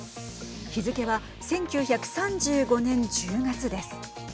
日付は１９３５年１０月です。